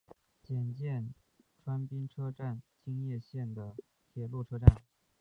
检见川滨车站京叶线的铁路车站。